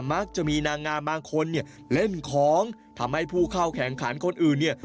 มักจะมีนางงามบางคนเนี่ยเล่นของทำให้ผู้เข้าแข่งขันคนอื่นเนี่ย